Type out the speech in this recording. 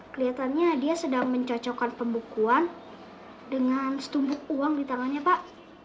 keliatannya dia sedang mencocokkan pembukuan dengan setumpuk uang di tangannya pak